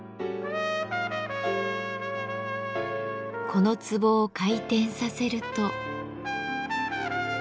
この壺を回転させると。